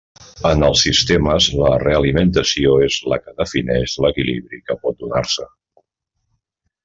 En els sistemes la realimentació és la que defineix l'equilibri que pot donar-se.